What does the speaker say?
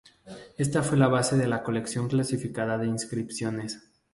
Esta fue la base de la colección clasificada de inscripciones.